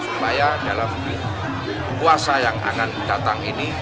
supaya dalam puasa yang akan datang ini